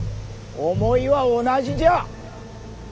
思いは同じじゃ。